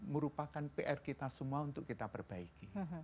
merupakan pr kita semua untuk kita perbaiki